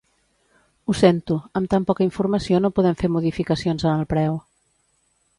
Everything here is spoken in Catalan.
Ho sento, amb tan poca informació no podem fer modificacions en el preu.